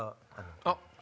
あっ！